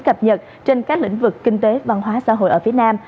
cập nhật trên các lĩnh vực kinh tế văn hóa xã hội ở phía nam